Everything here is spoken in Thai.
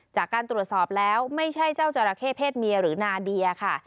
จากการตรวจสอบแล้วไม่ใช่เจ้าจราเข้เพศเมียหรือนาเดียค่ะ